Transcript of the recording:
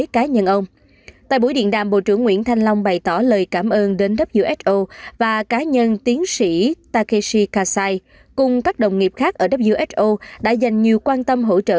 cả nhân tiến sĩ takeshi kasai cùng các đồng nghiệp khác ở who đã dành nhiều quan tâm hỗ trợ